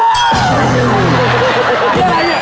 อาหารการกิน